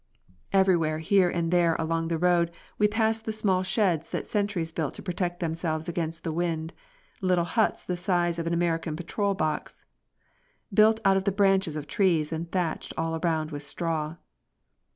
Everywhere here and there along the road we had passed the small sheds that sentries built to protect themselves against the wind, little huts the size of an American patrol box, built of the branches of trees and thatched all about with straw.